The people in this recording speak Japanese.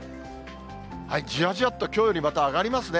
じわじわっと、きょうよりまた上がりますね。